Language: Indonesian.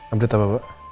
update apa pak